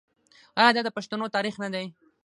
آیا دا د پښتنو تاریخ نه دی؟